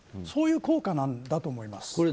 そういう効果なんだと思います。